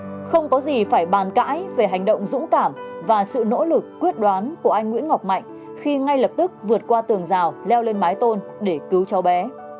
tuy nhiên không có gì phải bàn cãi về hành động dũng cảm và sự nỗ lực quyết đoán của anh nguyễn ngọc mạnh khi ngay lập tức vượt qua tường rào leo lên mái tôn để cứu cháu bé